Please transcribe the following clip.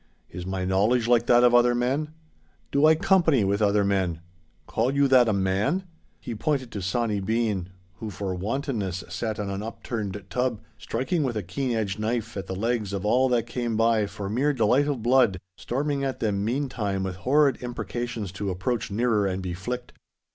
Is my knowledge like that of other men? Do I company with other men? Call you that a man?' (He pointed to Sawny Bean, who for wantonness sat on an upturned tub, striking with a keen edged knife at the legs of all that came by for mere delight of blood, storming at them meantime with horrid imprecations to approach nearer and be flicked.)